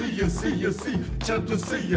「ちゃんとせいや！